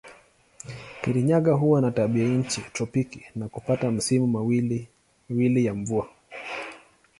Kirinyaga huwa na tabianchi tropiki na hupata misimu miwili ya mvua.